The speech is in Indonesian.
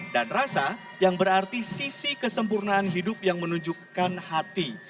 dan rasa yang berarti sisi kesempurnaan hidup yang menunjukkan hati